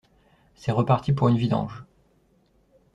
C’est reparti pour une vidange.